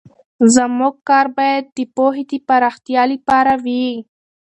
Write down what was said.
زموږ کار باید د پوهې د پراختیا لپاره وي.